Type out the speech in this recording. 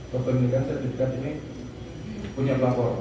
pembelian sertifikat ini punya pelapor